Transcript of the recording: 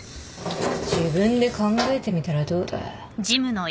自分で考えてみたらどうだ？